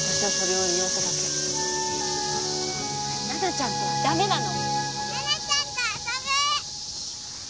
奈々ちゃんとは駄目なの。